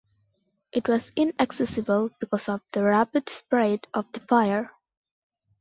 It was inaccessible because of the rapid spread of the fire.